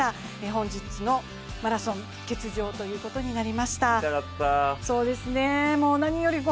本日のマラソン、欠場ということになりました。